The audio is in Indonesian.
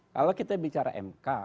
kalau kita bicara mk